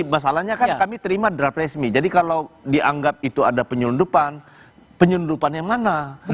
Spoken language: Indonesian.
masalahnya kan kami terima draft resmi jadi kalau dianggap itu ada penyelundupan penyelundupan yang mana